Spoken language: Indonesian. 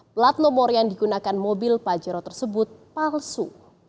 plat nomor yang digunakan mobil pajero tersebut palsu